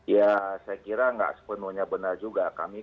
ya saya kira nggak sepenuhnya benar juga